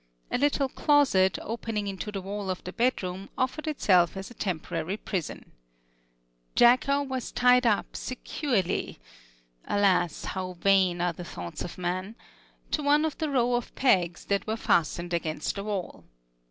A little closet, opening into the wall of the bedroom, offered itself as a temporary prison. Jacko was tied up securely alas! how vain are the thoughts of man! to one of the row of pegs that were fastened against the wall.